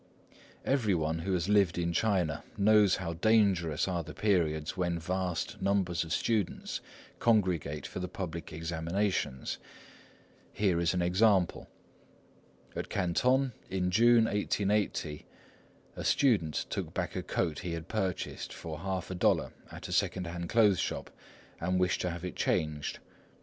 Every one who has lived in China knows how dangerous are the periods when vast numbers of students congregate for the public examinations. Here is an example. At Canton, in June, 1880, a student took back a coat he had purchased for half a dollar at a second hand clothes shop, and wished to have it changed.